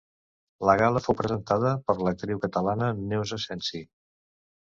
La gala fou presentada per l'actriu catalana Neus Asensi.